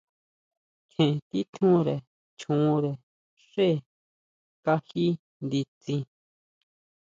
Tjen titjúnre choónre xé kají nditsin.